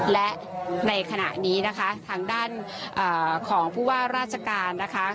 และในขณะนี้นะคะทางด้านของผู้ว่าราชการนะคะ